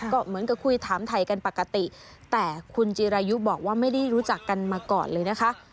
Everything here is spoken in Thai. ก็เหมือนกับคุยถามถ่ายกันปกติแต่คุณจิรายุบอกว่าไม่ได้รู้จักกันมาก่อนเลยนะคะ